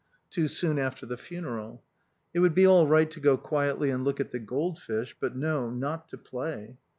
Too soon after the funeral. It would be all right to go quietly and look at the goldfish; but no, not to play.